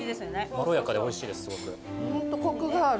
まろやかでおいしいです